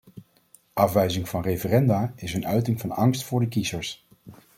Afwijzing van referenda is een uiting van angst voor de kiezers.